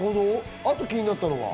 あと気になったのは？